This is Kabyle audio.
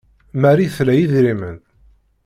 Marie tla idrimen.